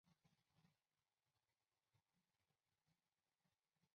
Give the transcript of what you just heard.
用户可以方便的浏览可用的包。